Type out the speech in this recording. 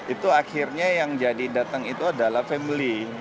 itu akhirnya yang jadi datang itu adalah family